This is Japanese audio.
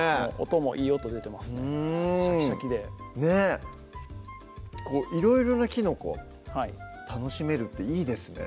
音もいい音出てますねシャキシャキでねぇいろいろなきのこ楽しめるっていいですね